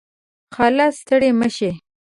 خاله . ستړې مشې